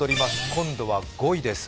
今度は５位です。